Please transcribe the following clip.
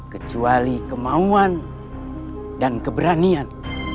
kecuali kemauan dan keberanian